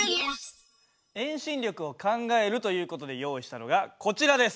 遠心力を考えるという事で用意したのがこちらです。